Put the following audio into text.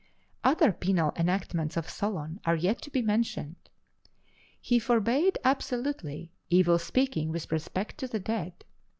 Other penal enactments of Solon are yet to be mentioned. He forbade absolutely evil speaking with respect to the dead.